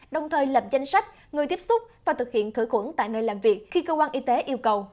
đồng thời lập danh sách người tiếp xúc và thực hiện khử khuẩn tại nơi làm việc khi cơ quan y tế yêu cầu